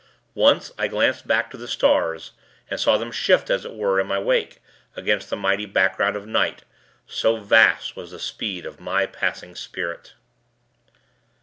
Once, I glanced back to the stars, and saw them shift, as it were, in my wake, against the mighty background of night, so vast was the speed of my passing spirit.